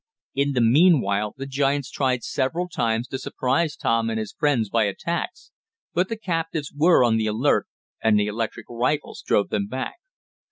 In the meanwhile the giants tried several times to surprise Tom and his friends by attacks, but the captives were on the alert, and the electric rifles drove them back.